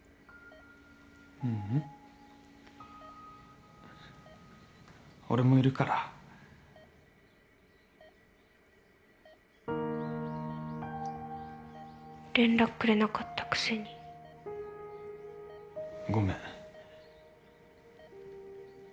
ううん俺もいるから連絡くれなかったくせにごめん